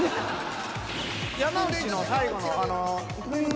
山内の最後のあの。